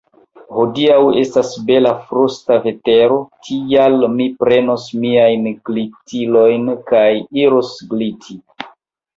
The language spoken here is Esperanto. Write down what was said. Hodiaŭ estas bela frosta vetero, tial mi prenos miajn glitilojn kaj iros gliti.